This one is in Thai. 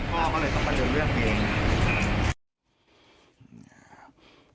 พ่อก็เลยต้องมาเริ่มเรื่องเอง